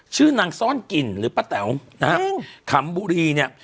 ชื่อนางซ่อนกิ่นหรือปะแต๋วนะครับคัมบุรีเนี่ย